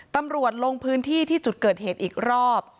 ลงพื้นที่ที่จุดเกิดเหตุอีกรอบ